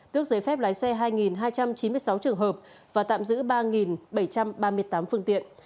tước giấy phép lái xe hai hai trăm chín mươi sáu trường hợp và tạm giữ ba bảy trăm ba mươi tám phương tiện